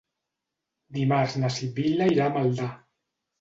Dimarts na Sibil·la irà a Maldà.